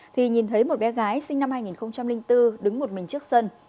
thì nhìn thấy một bé gái sinh năm hai nghìn bốn đứng một mình trước sân